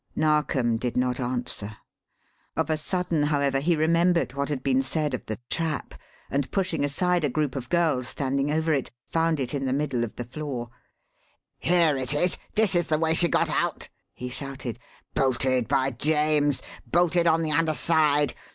Narkom did not answer. Of a sudden, however, he remembered what had been said of the trap and, pushing aside a group of girls standing over it, found it in the middle of the floor. "Here it is this is the way she got out!" he shouted. "Bolted, by James! bolted on the under side!